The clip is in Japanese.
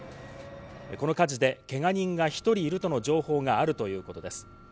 この火事でけが人が１人いるとの情報があるということです。